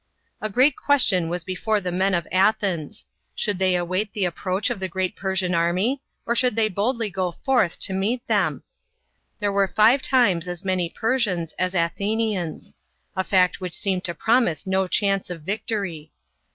A great question was before the men of Athens. Should they await the approach of the great Per sian army, or should they boldly go forth to meet B.C. 490.] VICTORY FOR THE GREEKS. 89 ? There were five times as many Persians \*. as * Athenians ; a fact which seemed to promise no chance of victory.